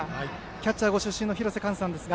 キャッチャーご出身の廣瀬寛さんですが。